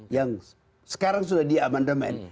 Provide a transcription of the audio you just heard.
yang sekarang sudah di amandemen